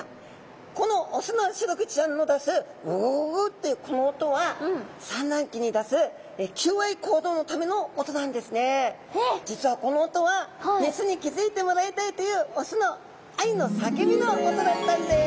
このオスのシログチちゃんの出すグゥグゥグゥグゥというこの音は実はこの音はメスに気付いてもらいたいというオスの愛の叫びの音だったんです！